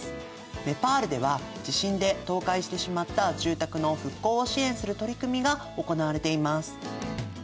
ネパールでは地震で倒壊してしまった住宅の復興を支援する取り組みが行われています。